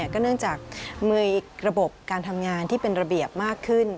ก็เนื่องจากมีระบบการทำงานที่เป็นระเบียบมากขึ้น